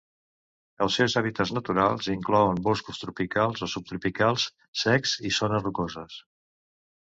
Els seus hàbitats naturals inclouen boscos tropicals o subtropicals secs i zones rocoses.